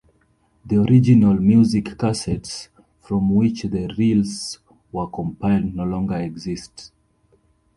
The original musicassettes from which the reels were compiled no longer exist.